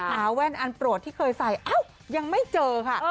แว่นอันโปรดที่เคยใส่ยังไม่เจอค่ะ